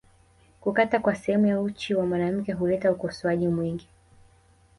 Kukata kwa sehemu ya uchi wa mwanamke huleta ukosoaji mwingi